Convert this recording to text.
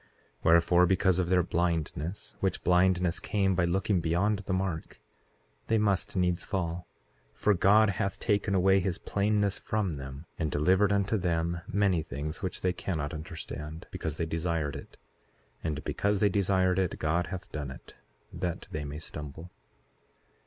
Wherefore, because of their blindness, which blindness came by looking beyond the mark, they must needs fall; for God hath taken away his plainness from them, and delivered unto them many things which they cannot understand, because they desired it. And because they desired it God hath done it, that they may stumble.